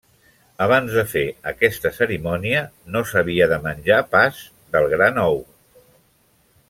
Abans de fer aquesta cerimònia no s'havia de menjar pas del gra nou.